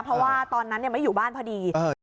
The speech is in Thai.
เพราะว่าตอนนั้นไม่อยู่บ้านพอดี